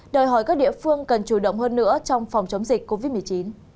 đòi hỏi các địa phương cần chủ động hơn nữa trong phòng chống dịch covid một mươi chín